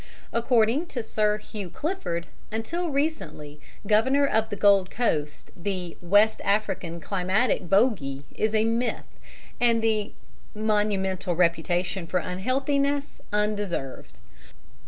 According to Sir Hugh Clifford, until recently Governor of the Gold Coast, the "West African Climatic Bogie" is a myth, and the "monumental reputation for unhealthiness" undeserved.